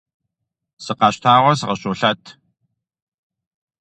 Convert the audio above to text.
Сыкъэщтауэ сыкъыщолъэт.